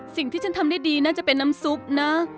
สิ่งที่ฉันทำได้ดีน่าจะเป็นน้ำซุปนะ